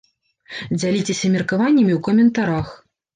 Дзяліцеся меркаваннямі ў каментарах!